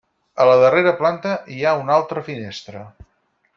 A la darrera planta hi ha una altra finestra.